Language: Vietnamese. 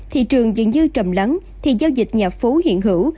thị trường dựng dư trầm lắng thì giao dịch nhà phố hiện hữu